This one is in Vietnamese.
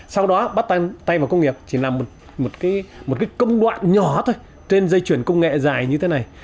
sau đó bắt tay vào công nghiệp chỉ là một cái công đoạn nhỏ thôi trên dây chuyển công nghệ dài như thế này